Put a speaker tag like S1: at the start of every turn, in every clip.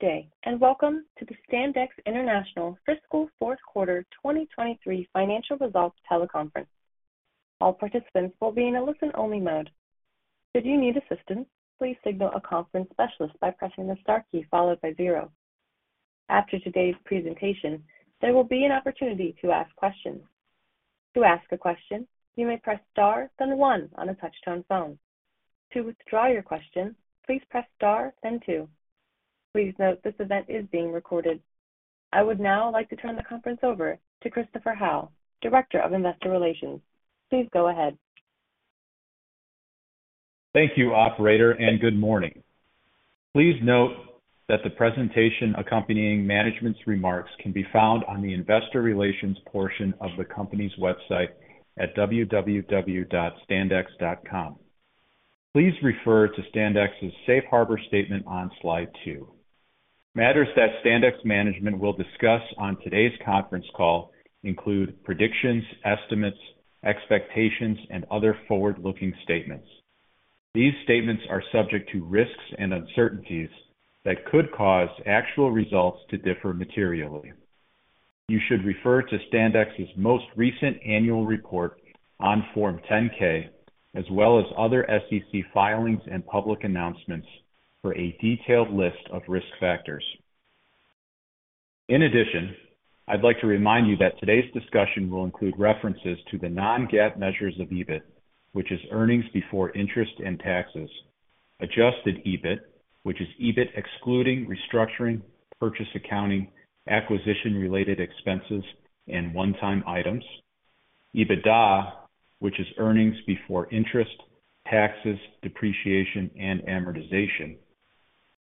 S1: Good day, welcome to the Standex International Fiscal Fourth Quarter 2023 Financial Results Teleconference. All participants will be in a listen-only mode. Should you need assistance, please signal a conference specialist by pressing the star key followed by zero. After today's presentation, there will be an opportunity to ask questions. To ask a question, you may press star, then one on a touch-tone phone. To withdraw your question, please press star, then two. Please note this event is being recorded. I would now like to turn the conference over to Christopher Howe, Director of Investor Relations. Please go ahead.
S2: Thank you, operator, and good morning. Please note that the presentation accompanying management's remarks can be found on the investor relations portion of the company's website at www.standex.com. Please refer to Standex's Safe Harbor statement on slide two. Matters that Standex management will discuss on today's conference call include predictions, estimates, expectations, and other forward-looking statements. These statements are subject to risks and uncertainties that could cause actual results to differ materially. You should refer to Standex's most recent annual report on Form 10-K, as well as other SEC filings and public announcements for a detailed list of risk factors. In addition, I'd like to remind you that today's discussion will include references to the non-GAAP measures of EBIT, which is earnings before interest and taxes. Adjusted EBIT, which is EBIT excluding restructuring, purchase accounting, acquisition-related expenses, and one-time items. EBITDA, which is earnings before interest, taxes, depreciation, and amortization.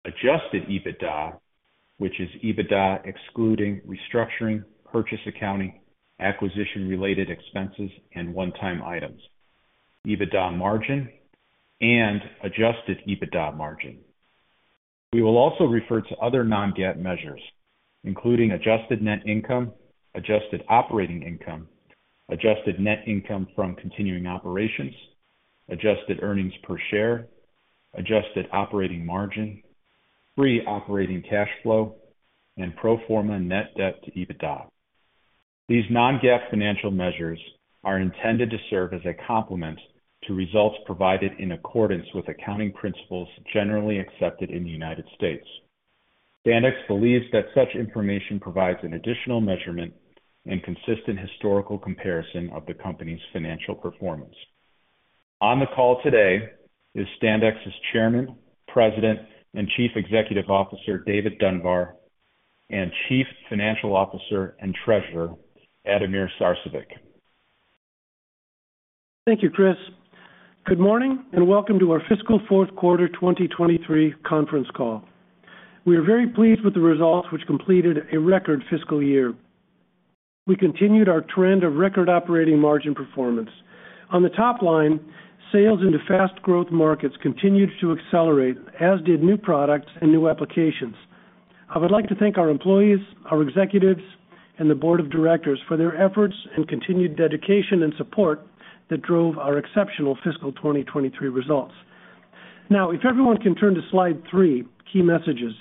S2: Adjusted EBITDA, which is EBITDA excluding restructuring, purchase accounting, acquisition-related expenses, and one-time items, EBITDA margin and adjusted EBITDA margin. We will also refer to other non-GAAP measures, including adjusted net income, adjusted operating income, adjusted net income from continuing operations, adjusted earnings per share, adjusted operating margin, free operating cash flow, and pro forma net debt to EBITDA. These non-GAAP financial measures are intended to serve as a complement to results provided in accordance with accounting principles generally accepted in the United States. Standex believes that such information provides an additional measurement and consistent historical comparison of the company's financial performance. On the call today is Standex's Chairman, President, and Chief Executive Officer, David Dunbar, and Chief Financial Officer and Treasurer, Ademir Sarcevic.
S3: Thank you, Chris. Good morning, welcome to our Fiscal Fourth Quarter 2023 Conference Call. We are very pleased with the results, which completed a record fiscal year. We continued our trend of record operating margin performance. On the top line, sales into fast growth markets continued to accelerate, as did new products and new applications. I would like to thank our employees, our executives, and the board of directors for their efforts and continued dedication and support that drove our exceptional fiscal 2023 results. Now, if everyone can turn to slide three, key messages.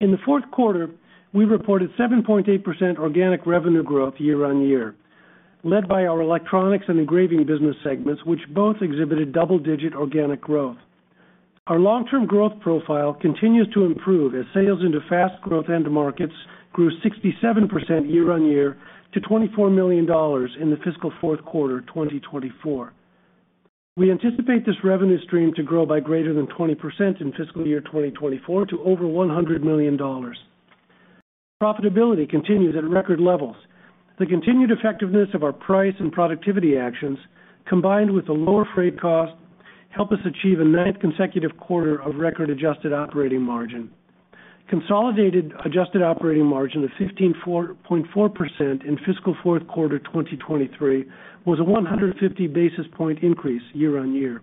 S3: In the fourth quarter, we reported 7.8% organic revenue growth year-over-year, led by our Electronics and Engraving business segments, which both exhibited double-digit organic growth. Our long-term growth profile continues to improve as sales into fast growth end markets grew 67% year-on-year to $24 million in the fiscal Q4 2024. We anticipate this revenue stream to grow by greater than 20% in fiscal year 2024 to over $100 million. Profitability continues at record levels. The continued effectiveness of our price and productivity actions, combined with the lower freight costs, help us achieve a ninth consecutive quarter of record adjusted operating margin. Consolidated adjusted operating margin of 15.4% in fiscal Q4 2023 was a 150 basis point increase year-on-year.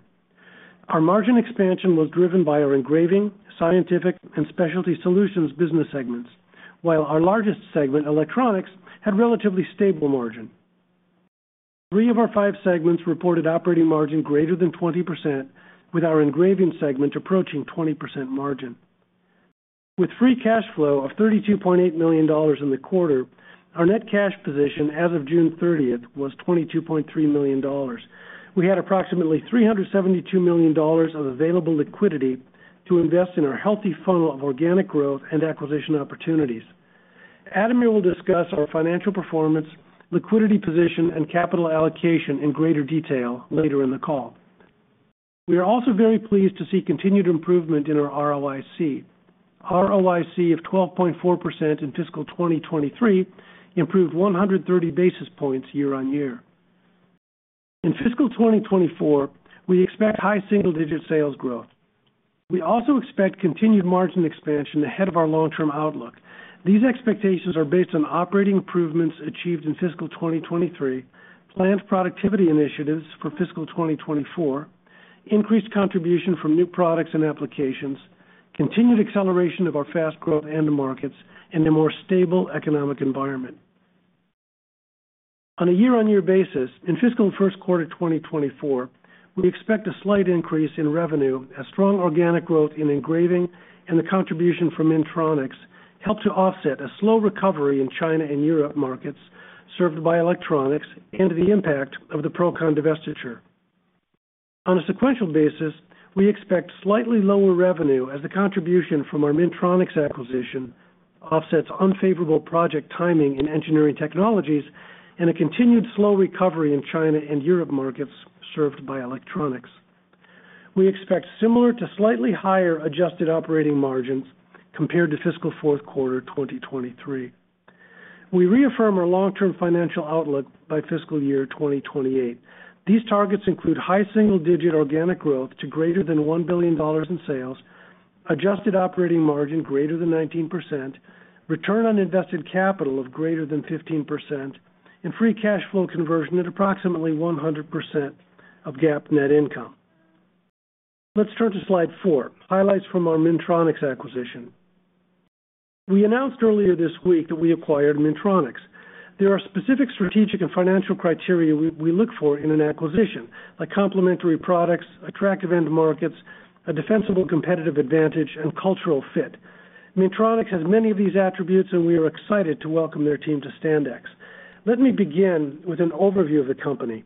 S3: Our margin expansion was driven by our Engraving, Scientific, and Specialty Solutions business segments, while our largest segment, Electronics, had relatively stable margin. Three of our five segments reported operating margin greater than 20%, with our Engraving segment approaching 20% margin. With free cash flow of $32.8 million in the quarter, our net cash position as of June 30th was $22.3 million. We had approximately $372 million of available liquidity to invest in our healthy funnel of organic growth and acquisition opportunities. Ademir will discuss our financial performance, liquidity position, and capital allocation in greater detail later in the call. We are also very pleased to see continued improvement in our ROIC. ROIC of 12.4% in fiscal 2023 improved 130 basis points year-on-year. In fiscal 2024, we expect high single-digit sales growth. We also expect continued margin expansion ahead of our long-term outlook. These expectations are based on operating improvements achieved in fiscal 2023, planned productivity initiatives for fiscal 2024, increased contribution from new products and applications, continued acceleration of our fast growth end markets, and a more stable economic environment. On a year-on-year basis, in fiscal first quarter 2024, we expect a slight increase in revenue as strong organic growth in Engraving and the contribution from Minntronix help to offset a slow recovery in China and Europe markets served by Electronics and the impact of the Procon divestiture. On a sequential basis, we expect slightly lower revenue as the contribution from our Minntronix acquisition offsets unfavorable project timing in Engineering Technologies and a continued slow recovery in China and Europe markets served by Electronics. We expect similar to slightly higher adjusted operating margins compared to fiscal fourth quarter 2023. We reaffirm our long-term financial outlook by fiscal year 2028. These targets include high single-digit organic growth to greater than $1 billion in sales, adjusted operating margin greater than 19%, return on invested capital of greater than 15%, and free cash flow conversion at approximately 100% of GAAP net income. Let's turn to slide four, highlights from our Minntronix acquisition. We announced earlier this week that we acquired Minntronix. There are specific strategic and financial criteria we look for in an acquisition, like complementary products, attractive end markets, a defensible competitive advantage, and cultural fit. Minntronix has many of these attributes, and we are excited to welcome their team to Standex. Let me begin with an overview of the company.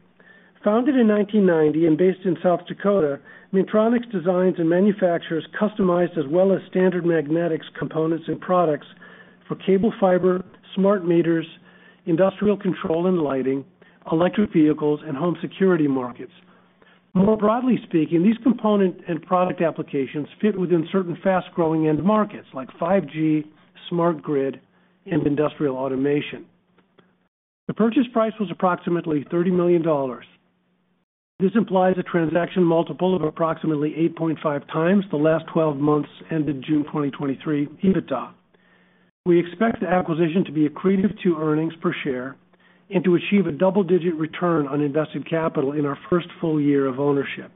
S3: Founded in 1990 and based in South Dakota, Minntronix designs and manufactures customized as well as standard magnetics components and products for cable fiber, smart meters, industrial control and lighting, electric vehicles, and home security markets. More broadly speaking, these component and product applications fit within certain fast-growing end markets like 5G, smart grid, and industrial automation. The purchase price was approximately $30 million. This implies a transaction multiple of approximately 8.5x the last 12 months, ended June 2023, EBITDA. We expect the acquisition to be accretive to earnings per share and to achieve a double-digit return on invested capital in our first full year of ownership.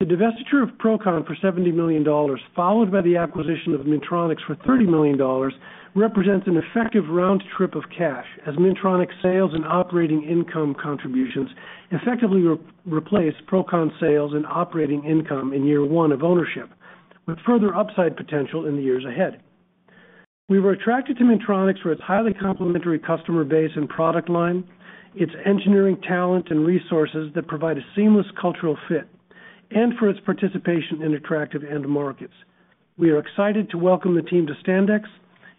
S3: The divestiture of Procon for $70 million, followed by the acquisition of Minntronix for $30 million, represents an effective round trip of cash, as Minntronix sales and operating income contributions effectively re-replace Procon sales and operating income in year one of ownership, with further upside potential in the years ahead. We were attracted to Minntronix for its highly complementary customer base and product line, its engineering talent and resources that provide a seamless cultural fit, and for its participation in attractive end markets. We are excited to welcome the team to Standex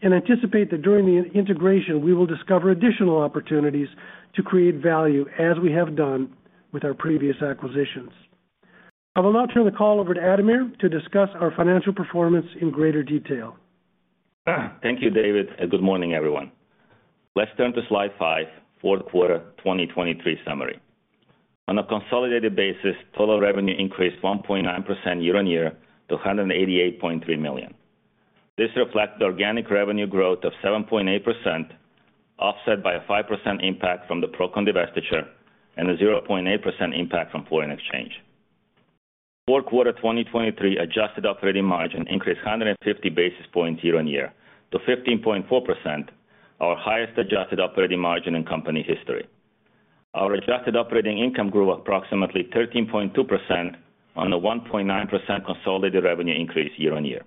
S3: and anticipate that during the integration, we will discover additional opportunities to create value, as we have done with our previous acquisitions. I will now turn the call over to Ademir to discuss our financial performance in greater detail.
S4: Thank you, David. Good morning, everyone. Let's turn to slide five, fourth quarter 2023 summary. On a consolidated basis, total revenue increased 1.9% year-on-year to $188.3 million. This reflects organic revenue growth of 7.8%, offset by a 5% impact from the Procon divestiture and a 0.8% impact from foreign exchange. Fourth quarter 2023 adjusted operating margin increased 150 basis points year-on-year to 15.4%, our highest adjusted operating margin in company history. Our adjusted operating income grew approximately 13.2% on a 1.9% consolidated revenue increase year-on-year.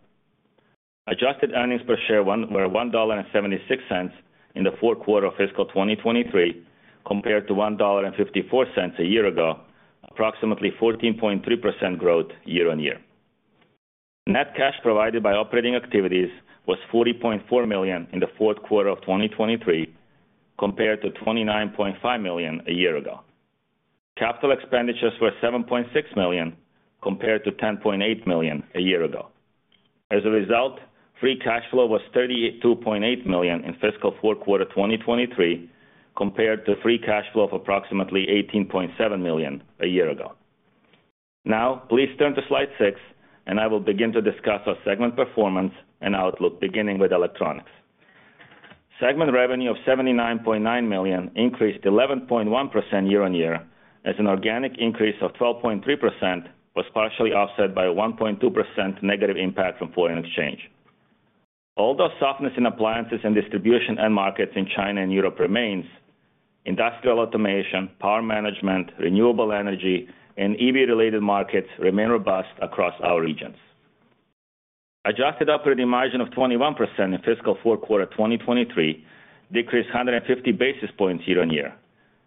S4: Adjusted earnings per share were $1.76 in the fourth quarter of fiscal 2023, compared to $1.54 a year ago, approximately 14.3% growth year-over-year. Net cash provided by operating activities was $40.4 million in the fourth quarter of 2023, compared to $29.5 million a year ago. Capital expenditures were $7.6 million, compared to $10.8 million a year ago. As a result, free cash flow was $32.8 million in fiscal fourth quarter 2023, compared to free cash flow of approximately $18.7 million a year ago. Please turn to slide six. I will begin to discuss our segment performance and outlook, beginning with Electronics. Segment revenue of $79.9 million increased 11.1% year-on-year, as an organic increase of 12.3% was partially offset by a 1.2% negative impact from foreign exchange. Although softness in appliances and distribution end markets in China and Europe remains, industrial automation, power management, renewable energy, and EV-related markets remain robust across our regions. Adjusted operating margin of 21% in fiscal fourth quarter 2023 decreased 150 basis points year-on-year,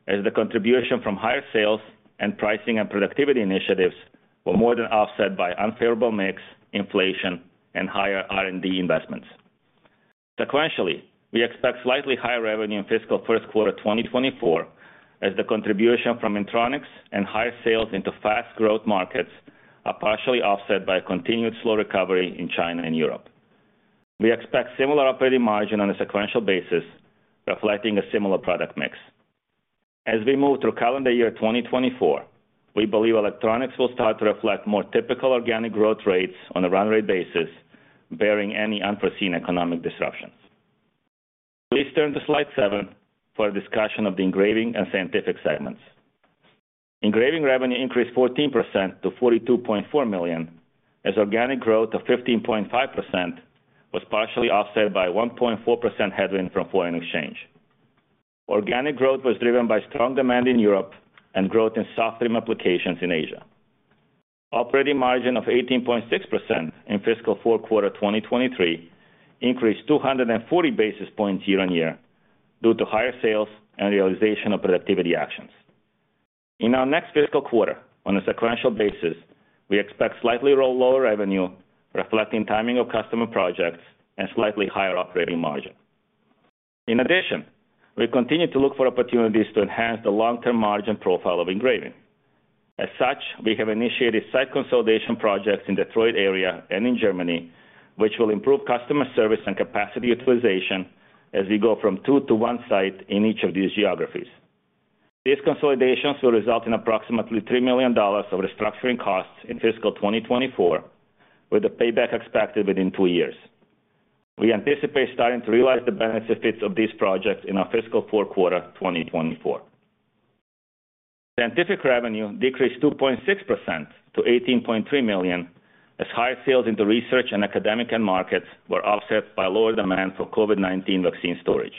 S4: as the contribution from higher sales and pricing and productivity initiatives were more than offset by unfavorable mix, inflation, and higher R&D investments. Sequentially, we expect slightly higher revenue in fiscal first quarter 2024, as the contribution from Minntronix and higher sales into fast growth markets are partially offset by a continued slow recovery in China and Europe. We expect similar operating margin on a sequential basis, reflecting a similar product mix. As we move through calendar year 2024, we believe Electronics will start to reflect more typical organic growth rates on a run rate basis, bearing any unforeseen economic disruptions. Please turn to slide seven for a discussion of the Engraving and Scientific segments. Engraving revenue increased 14% to $42.4 million, as organic growth of 15.5% was partially offset by 1.4% headwind from foreign exchange. Organic growth was driven by strong demand in Europe and growth in software applications in Asia. Operating margin of 18.6% in fiscal fourth quarter, 2023, increased 240 basis points year-on-year, due to higher sales and realization of productivity actions. In our next fiscal quarter, on a sequential basis, we expect slightly lower revenue, reflecting timing of customer projects and slightly higher operating margin. In addition, we continue to look for opportunities to enhance the long-term margin profile of Engraving. As such, we have initiated site consolidation projects in Detroit area and in Germany, which will improve customer service and capacity utilization as we go from two to one site in each of these geographies. These consolidations will result in approximately $3 million of restructuring costs in fiscal 2024, with a payback expected within two years. We anticipate starting to realize the benefits of these projects in our fiscal fourth quarter, 2024. Scientific revenue decreased 2.6% to $18.3 million, as higher sales into research and academic end markets were offset by lower demand for COVID-19 vaccine storage.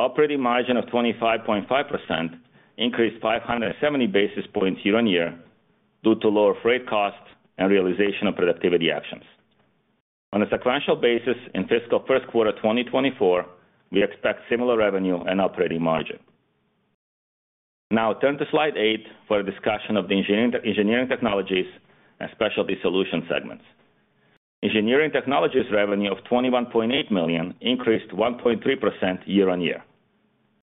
S4: Operating margin of 25.5% increased 570 basis points year-on-year due to lower freight costs and realization of productivity actions. On a sequential basis, in fiscal first quarter, 2024, we expect similar revenue and operating margin. Now turn to slide eight for a discussion of the Engineering Technologies and Specialty Solutions segments. Engineering Technologies revenue of $21.8 million increased 1.3% year-on-year.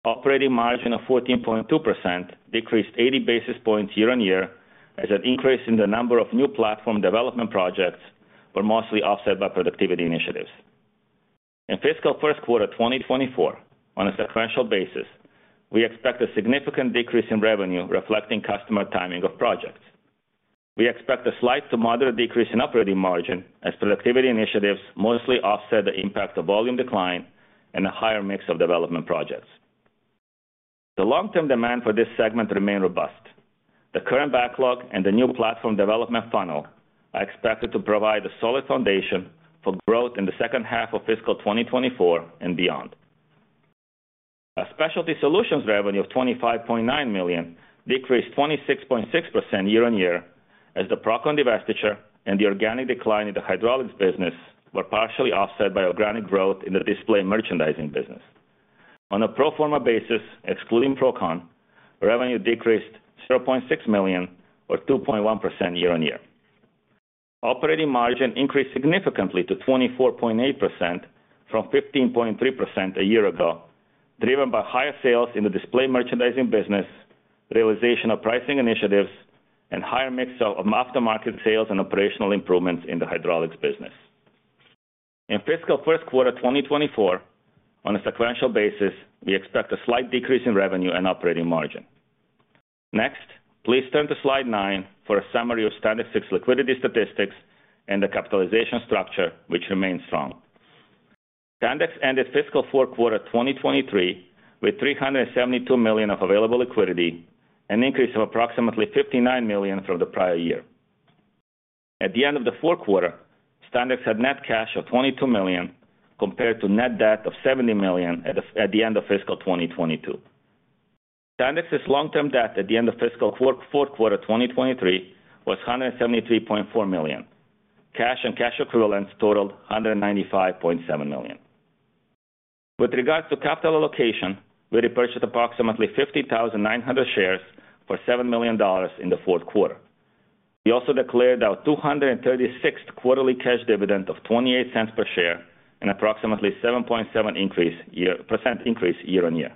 S4: Operating margin of 14.2% decreased 80 basis points year-on-year, as an increase in the number of new platform development projects were mostly offset by productivity initiatives. In fiscal first quarter, 2024, on a sequential basis, we expect a significant decrease in revenue reflecting customer timing of projects. We expect a slight to moderate decrease in operating margin as productivity initiatives mostly offset the impact of volume decline and a higher mix of development projects. The long-term demand for this segment remain robust. The current backlog and the new platform development funnel are expected to provide a solid foundation for growth in the second half of fiscal 2024 and beyond. Our Specialty Solutions revenue of $25.9 million decreased 26.6% year-on-year, as the Procon divestiture and the organic decline in the hydraulics business were partially offset by organic growth in the display merchandising business. On a pro forma basis, excluding Procon, revenue decreased $0.6 million, or 2.1% year-on-year. Operating margin increased significantly to 24.8% from 15.3% a year ago, driven by higher sales in the display merchandising business, realization of pricing initiatives, and higher mix of aftermarket sales and operational improvements in the hydraulics business. In fiscal first quarter 2024, on a sequential basis, we expect a slight decrease in revenue and operating margin. Next, please turn to slide nine for a summary of Standex's liquidity statistics and the capitalization structure, which remains strong. Standex ended fiscal fourth quarter 2023 with $372 million of available liquidity, an increase of approximately $59 million from the prior year. At the end of the fourth quarter, Standex had net cash of $22 million, compared to net debt of $70 million at the end of fiscal 2022. Standex's long-term debt at the end of fiscal fourth quarter 2023 was $173.4 million. Cash and cash equivalents totaled $195.7 million. With regards to capital allocation, we repurchased approximately 50,900 shares for $7 million in the fourth quarter. We also declared our 236th quarterly cash dividend of $0.28 per share and approximately 7.7% increase year-on-year.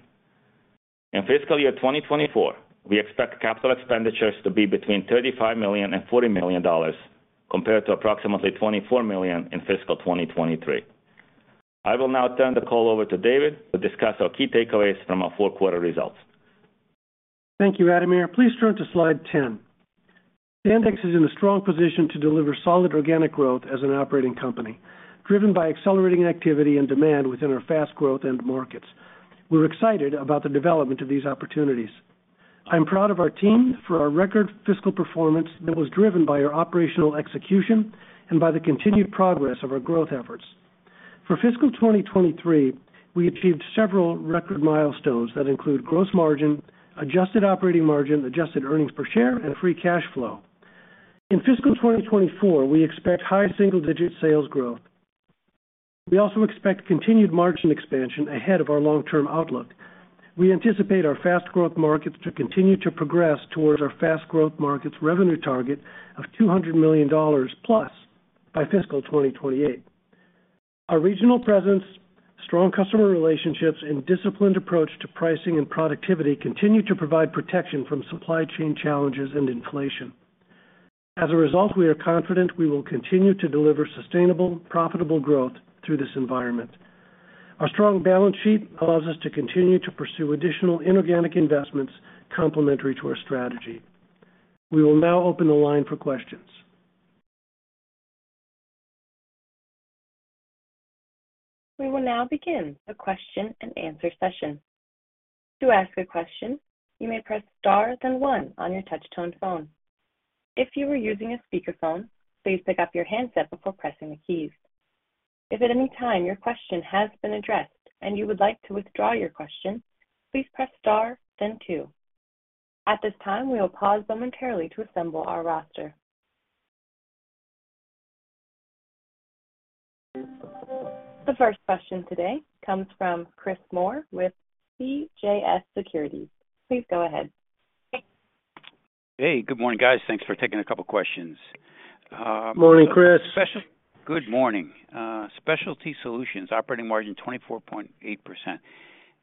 S4: In fiscal year 2024, we expect capital expenditures to be between $35 million and $40 million, compared to approximately $24 million in fiscal 2023. I will now turn the call over to David to discuss our key takeaways from our fourth quarter results.
S3: Thank you, Ademir. Please turn to slide 10. Standex is in a strong position to deliver solid organic growth as an operating company, driven by accelerating activity and demand within our fast growth end markets. We're excited about the development of these opportunities. I'm proud of our team for our record fiscal performance that was driven by our operational execution and by the continued progress of our growth efforts. For fiscal 2023, we achieved several record milestones that include gross margin, adjusted operating margin, adjusted earnings per share, and free cash flow. In fiscal 2024, we expect high single-digit sales growth. We also expect continued margin expansion ahead of our long-term outlook. We anticipate our fast growth markets to continue to progress towards our fast growth markets revenue target of $200 million+ by fiscal 2028. Our regional presence, strong customer relationships, and disciplined approach to pricing and productivity continue to provide protection from supply chain challenges and inflation. As a result, we are confident we will continue to deliver sustainable, profitable growth through this environment. Our strong balance sheet allows us to continue to pursue additional inorganic investments complementary to our strategy. We will now open the line for questions.
S1: We will now begin the question and answer session. To ask a question, you may press star, then one on your touchtone phone. If you are using a speakerphone, please pick up your handset before pressing the keys. If at any time your question has been addressed and you would like to withdraw your question, please press star then two. At this time, we will pause momentarily to assemble our roster. The first question today comes from Chris Moore with CJS Securities. Please go ahead.
S5: Hey, good morning, guys. Thanks for taking a couple of questions.
S3: Morning, Chris.
S5: Good morning. Specialty Solutions operating margin 24.8%.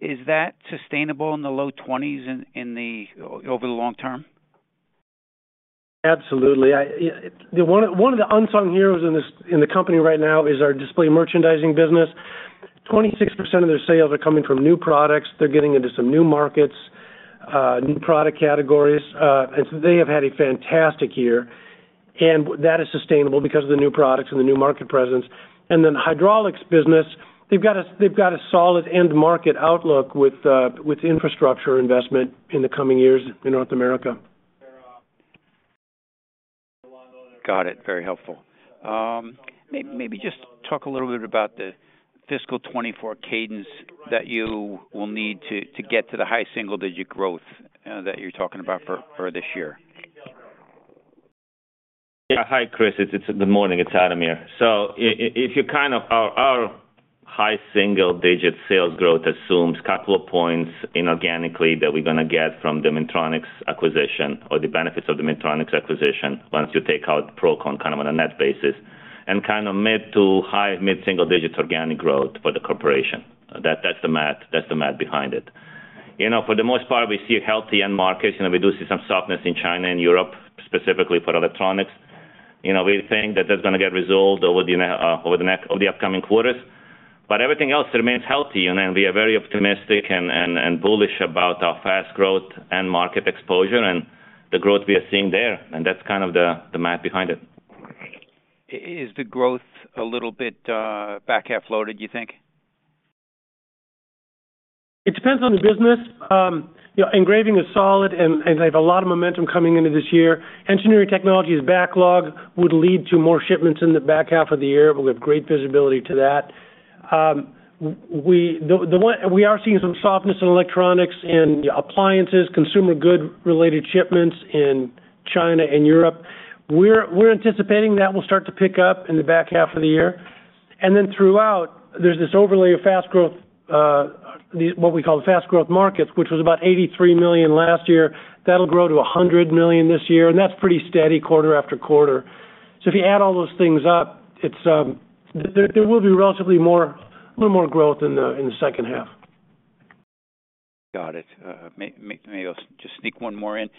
S5: Is that sustainable in the low 20s over the long term?
S3: Absolutely. I... One of the unsung heroes in this, in the company right now is our display merchandising business. 26% of their sales are coming from new products. They're getting into some new markets, new product categories. So they have had a fantastic year, and that is sustainable because of the new products and the new market presence. Then hydraulics business, they've got a solid end market outlook with infrastructure investment in the coming years in North America.
S5: Got it. Very helpful. maybe just talk a little bit about the fiscal 2024 cadence that you will need to get to the high single-digit growth that you're talking about for this year.
S4: Yeah. Hi, Chris. It's, good morning, it's Ademir. If you kind of our, our high single-digit sales growth assumes two points inorganically that we're going to get from the Minntronix acquisition, or the benefits of the Minntronix acquisition, once you take out Procon, kind of on a net basis, and kind of mid to high, mid single-digit organic growth for the corporation. That, that's the math, that's the math behind it. You know, for the most part, we see a healthy end market. You know, we do see some softness in China and Europe, specifically for Electronics. You know, we think that that's going to get resolved over the next, over the upcoming quarters. Everything else remains healthy, and then we are very optimistic and, and, and bullish about our fast growth and market exposure and the growth we are seeing there, and that's kind of the, the math behind it.
S5: Is the growth a little bit, back half loaded, you think?
S3: It depends on the business. You know, Engraving is solid and, and they have a lot of momentum coming into this year. Engineering Technologies backlog would lead to more shipments in the back half of the year, but we have great visibility to that. We are seeing some softness in Electronics and appliances, consumer good related shipments in China and Europe. We're, we're anticipating that will start to pick up in the back half of the year. Then throughout, there's this overlay of fast growth, the, what we call the fast growth markets, which was about $83 million last year. That'll grow to $100 million this year, and that's pretty steady quarter after quarter. If you add all those things up, it's, there, there will be relatively more, a little more growth in the, in the second half.
S5: Got it. Maybe I'll just sneak one more in.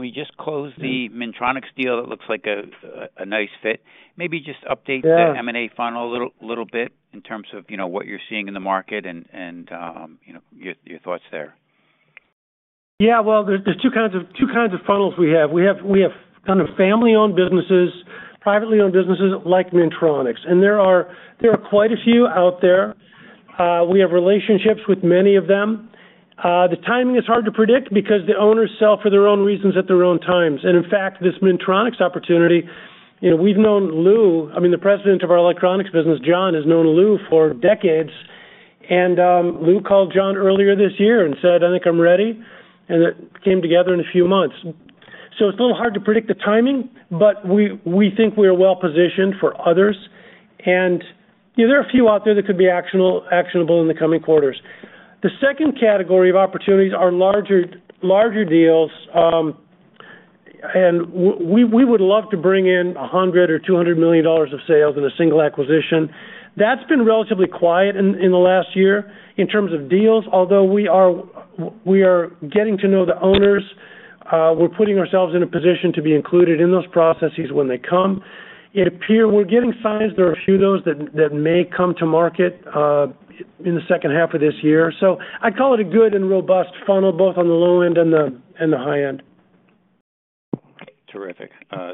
S5: We just closed the Minntronix deal. It looks like a nice fit. Maybe just update.
S3: Yeah
S5: The M&A funnel a little, little bit in terms of, you know, what you're seeing in the market and, and, you know, your, your thoughts there.
S3: Yeah, well, there's, there's two kinds of, two kinds of funnels we have. We have, we have kind of family-owned businesses, privately owned businesses like Minntronix, there are, there are quite a few out there. We have relationships with many of them. The timing is hard to predict because the owners sell for their own reasons at their own times. In fact, this Minntronix opportunity, you know, we've known Lou, I mean, the president of our Electronics business, John, has known Lou for decades, Lou called John earlier this year and said, "I think I'm ready," and it came together in a few months. It's a little hard to predict the timing, but we, we think we are well-positioned for others. You know, there are a few out there that could be actionable in the coming quarters. The second category of opportunities are larger, larger deals, and we would love to bring in $100 million or $200 million of sales in a single acquisition. That's been relatively quiet in, in the last year in terms of deals, although we are getting to know the owners, we're putting ourselves in a position to be included in those processes when they come. It appear we're getting signs there are a few of those that, that may come to market, in the second half of this year. I'd call it a good and robust funnel, both on the low end and the, and the high end.
S5: Terrific.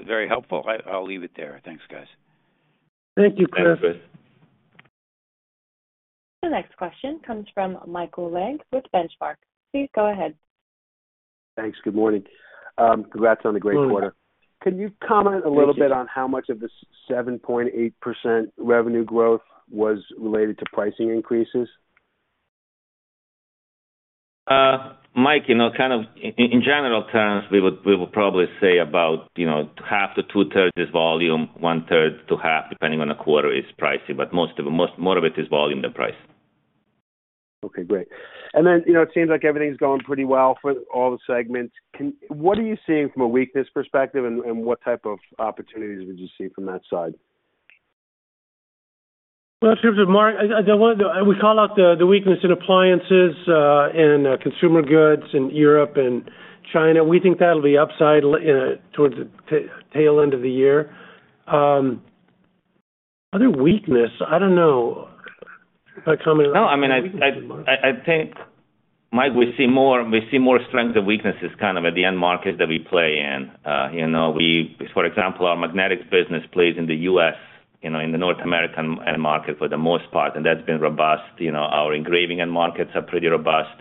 S5: Very helpful. I, I'll leave it there. Thanks, guys.
S3: Thank you, Chris.
S4: Bye, Chris.
S1: The next question comes from Michael Legg with Benchmark. Please go ahead.
S6: Thanks. Good morning. Congrats on the great quarter.
S3: Thank you.
S6: Can you comment a little bit on how much of the 7.8% revenue growth was related to pricing increases?
S4: Mike, you know, kind of in general terms, we would, we would probably say about, you know, half to two-thirds is volume, one-third to half, depending on the quarter, is pricing, but most of it, more of it is volume than price.
S6: Okay, great. Then, you know, it seems like everything's going pretty well for all the segments. What are you seeing from a weakness perspective, and what type of opportunities would you see from that side?
S3: Well, in terms of market, I, I, the one, we call out the, the weakness in appliances, and consumer goods in Europe and China. We think that'll be upside towards the tail end of the year. Other weakness? I don't know. I come in.
S4: No, I mean, I think Mike, we see more, we see more strengths and weaknesses kind of at the end market that we play in. You know, we, for example, our magnetics business plays in the U.S., you know, in the North American end market for the most part, and that's been robust. You know, our Engraving end markets are pretty robust.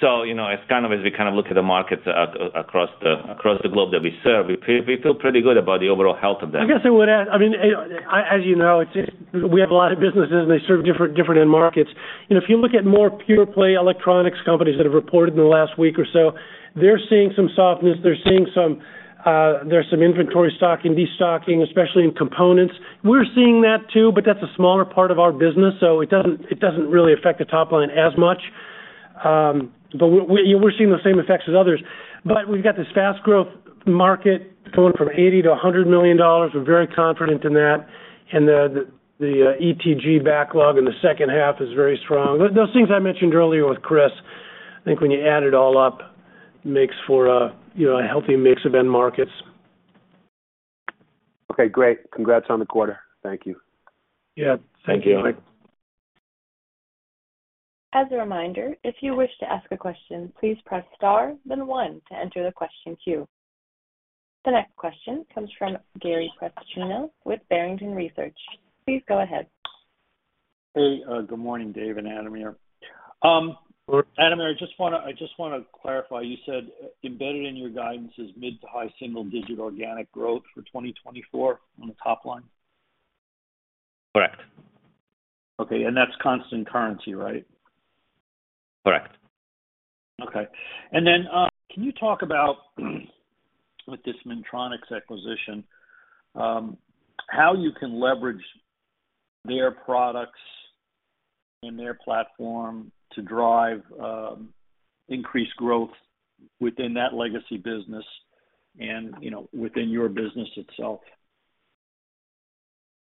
S4: You know, it's kind of, as we kind of look at the markets across the, across the globe that we serve, we feel, we feel pretty good about the overall health of that.
S3: I guess I would add, I mean, I, as you know, it's just we have a lot of businesses, and they serve different, different end markets. You know, if you look at more pure play electronics companies that have reported in the last week or so, they're seeing some softness, they're seeing some, there's some inventory stocking, destocking, especially in components. We're seeing that too, but that's a smaller part of our business, so it doesn't, it doesn't really affect the top line as much. We're seeing the same effects as others. We've got this fast growth market going from $80 million-$100 million. We're very confident in that. The ETG backlog in the second half is very strong. Those things I mentioned earlier with Chris, I think when you add it all up, makes for a, you know, a healthy mix of end markets.
S6: Okay, great. Congrats on the quarter. Thank you.
S3: Yeah. Thank you, Mike.
S4: Thank you.
S1: As a reminder, if you wish to ask a question, please press star, then one to enter the question queue. The next question comes from Gary Prestopino with Barrington Research. Please go ahead.
S7: Hey, good morning, Dave and Ademir. Adam, I just wanna, I just wanna clarify. You said embedded in your guidance is mid to high single-digit organic growth for 2024 on the top line?
S4: Correct.
S7: Okay. That's constant currency, right?
S4: Correct.
S7: Okay. Can you talk about, with this Minntronix acquisition, how you can leverage their products and their platform to drive increased growth within that legacy business and, you know, within your business itself?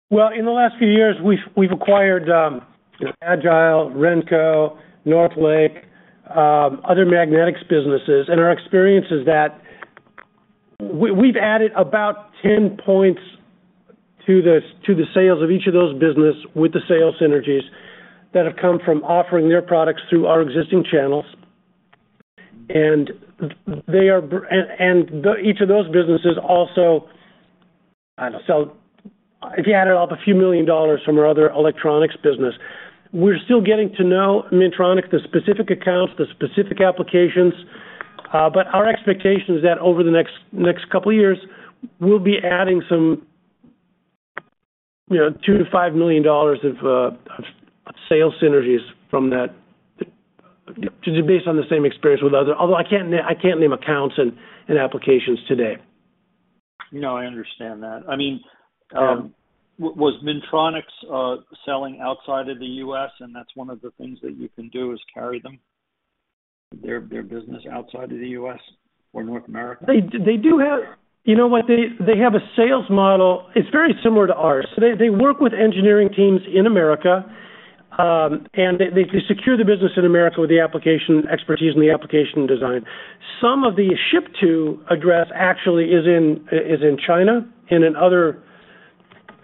S3: Well, in the last few years, we've, we've acquired Agile, Renco, Northlake, other magnetics businesses, our experience is that we, we've added about 10 points to the, to the sales of each of those business with the sales synergies that have come from offering their products through our existing channels. They are each of those businesses also, I don't know, sell, if you add it up, a few million dollars from our other Electronics business. We're still getting to know Minntronix, the specific accounts, the specific applications, but our expectation is that over the next, next couple of years, we'll be adding some, you know, $2 million-$5 million of sales synergies from that, just based on the same experience with other. I can't name, I can't name accounts and applications today.
S7: No, I understand that. I mean, was Minntronix, selling outside of the U.S., and that's one of the things that you can do, is carry them, their, their business outside of the U.S. or North America?
S3: You know what? They, they have a sales model, it's very similar to ours. They, they work with engineering teams in America, and they, they secure the business in America with the application expertise and the application design. Some of the ship-to address actually is in, is in China and in other,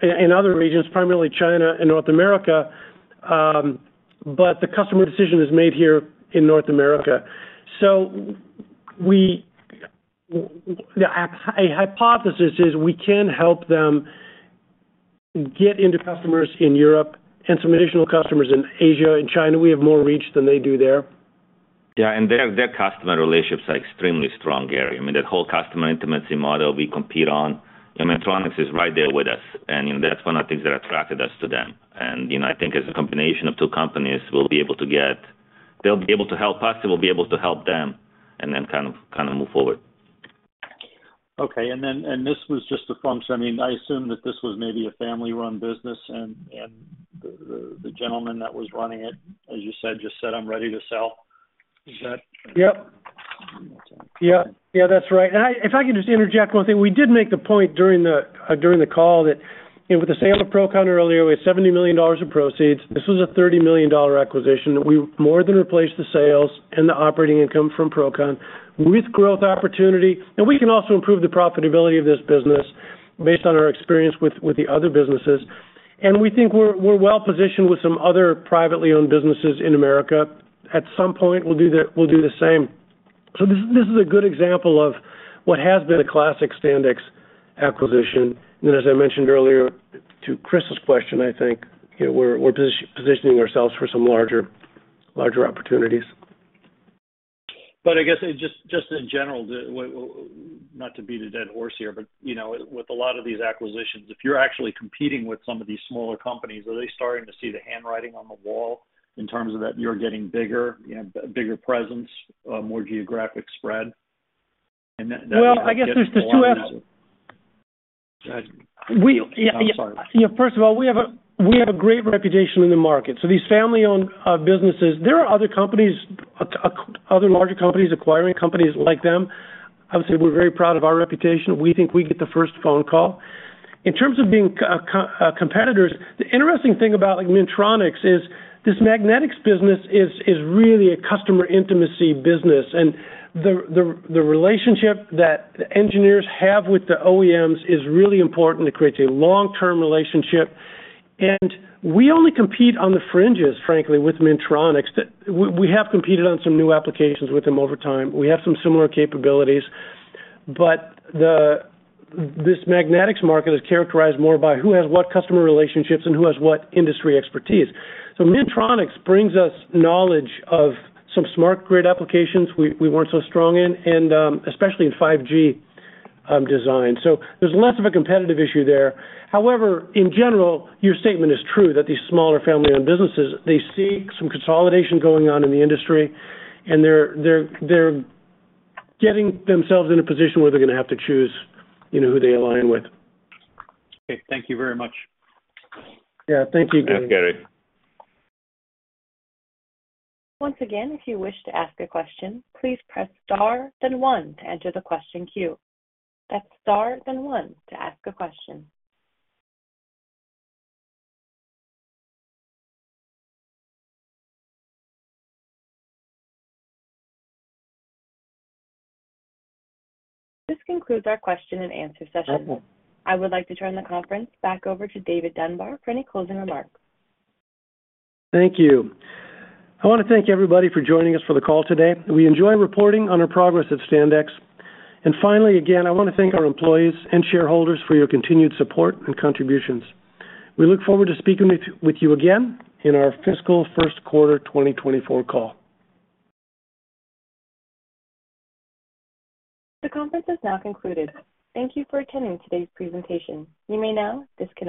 S3: in other regions, primarily China and North America, but the customer decision is made here in North America. We, a hypothesis is we can help them get into customers in Europe and some additional customers in Asia and China. We have more reach than they do there.
S4: Yeah, and their, their customer relationships are extremely strong, Gary. I mean, that whole customer intimacy model we compete on, Minntronix is right there with us, and that's one of the things that attracted us to them. You know, I think as a combination of two companies, we'll be able to They'll be able to help us, and we'll be able to help them and then kind of move forward.
S7: Okay. Then, this was just a prompt. I mean, I assume that this was maybe a family-run business, and the gentleman that was running it, as you said, just said, "I'm ready to sell." Is that-
S3: Yep. Yeah, yeah, that's right. I-- If I could just interject one thing. We did make the point during the call that, you know, with the sale of Procon earlier, we had $70 million in proceeds. This was a $30 million acquisition. We more than replaced the sales and the operating income from Procon with growth opportunity. We can also improve the profitability of this business based on our experience with, with the other businesses. We think we're, we're well positioned with some other privately owned businesses in America. At some point, we'll do the, we'll do the same. This, this is a good example of what has been a classic Standex acquisition. As I mentioned earlier to Chris's question, I think, you know, we're, we're positioning ourselves for some larger, larger opportunities.
S7: I guess just, just in general, the, well, not to beat a dead horse here, but, you know, with a lot of these acquisitions, if you're actually competing with some of these smaller companies, are they starting to see the handwriting on the wall in terms of that you're getting bigger, you know, bigger presence, more geographic spread? And that-
S3: Well, I guess there's two aspects.
S7: Go ahead.
S3: We-
S7: I'm sorry.
S3: Yeah, first of all, we have a great reputation in the market. These family-owned businesses, there are other companies, other larger companies acquiring companies like them. I would say we're very proud of our reputation. We think we get the first phone call. In terms of being competitors, the interesting thing about Minntronix is this magnetics business is really a customer intimacy business. The relationship that the engineers have with the OEMs is really important. It creates a long-term relationship, we only compete on the fringes, frankly, with Minntronix. We have competed on some new applications with them over time. We have some similar capabilities, this magnetics market is characterized more by who has what customer relationships and who has what industry expertise. Minntronix brings us knowledge of some smart grid applications we, we weren't so strong in, and especially in 5G design. There's less of a competitive issue there. However, in general, your statement is true that these smaller family-owned businesses, they see some consolidation going on in the industry, and they're, they're, they're getting themselves in a position where they're going to have to choose, you know, who they align with.
S7: Okay. Thank you very much.
S3: Yeah. Thank you, Gary.
S4: Thanks, Gary.
S1: Once again, if you wish to ask a question, please press star, then one to enter the question queue. That's star, then one to ask a question. This concludes our question and answer session. I would like to turn the conference back over to David Dunbar for any closing remarks.
S3: Thank you. I want to thank everybody for joining us for the call today. We enjoy reporting on our progress at Standex. Finally, again, I want to thank our employees and shareholders for your continued support and contributions. We look forward to speaking with you again in our fiscal first quarter 2024 call.
S1: The conference is now concluded. Thanking you for attending today's presentation. You may now disconnect.